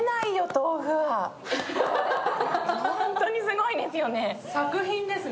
本当にすごいですよね。